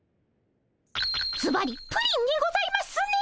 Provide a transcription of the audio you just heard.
ずばりプリンにございますね。